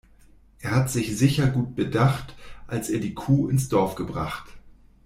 Er hat sich sicher gut bedacht, als er die Kuh ins Dorf gebracht.